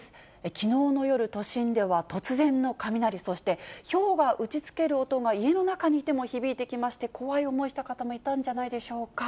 きのうの夜、都心では突然の雷、そしてひょうが打ちつける音が、家の中にいても響いてきまして、怖い思いした方もいたんじゃないでしょうか。